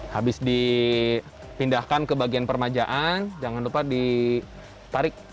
habis dipindahkan ke bagian permajaan jangan lupa ditarik